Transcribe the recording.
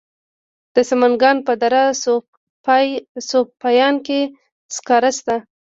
د سمنګان په دره صوف پاین کې سکاره شته.